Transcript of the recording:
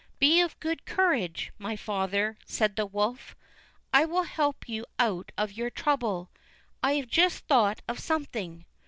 "Be of good courage, my father," said the wolf; "I will help you out of your trouble. I have just thought of something.